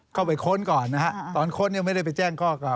เข้าไปค้นก่อนนะครับตอนค้นยังไม่ได้ไปแจ้งข้อก่อน